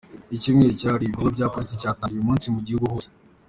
Icyumweru cyahariwe ibikorwa bya polisi cyatangijwe uyu munsi mu gihugu hose.